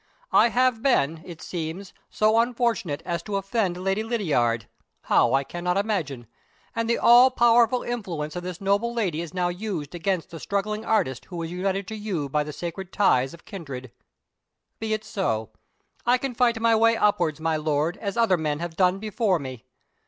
I have been, it seems, so unfortunate as to offend Lady Lydiard (how, I cannot imagine); and the all powerful influence of this noble lady is now used against the struggling artist who is united to you by the sacred ties of kindred. Be it so. I can fight my way upwards, my Lord, as other men have done before me.